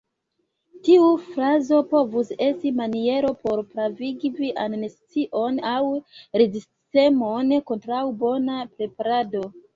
Tiu frazo povus esti maniero por pravigi vian nescion aŭ rezistemon kontraŭ bona preparado.